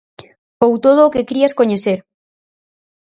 Ou todo o que crías coñecer.